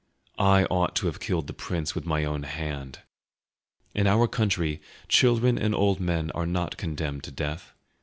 I ought to have killed the prince with my own hand. In our country, children and old men are not condemned to death.